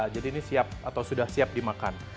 jadi ini siap atau sudah siap dimakan